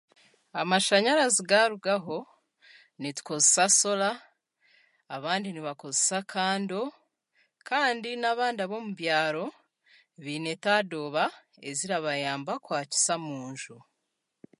amashanyarazi gaarugaho, nitukozesa sora, abandi nibakozesa kando kandi n'abandi ab'omu byaro baine etadooba ezirabayamba kwakiza omunju